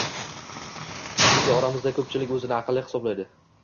Chunki oramizda ko‘pchilik o‘zini aqlli hisoblaydi.